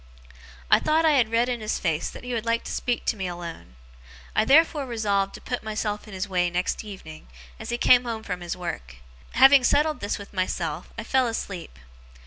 I thought I had read in his face that he would like to speak to me alone. I therefore resolved to put myself in his way next evening, as he came home from his work. Having settled this with myself, I fell asleep.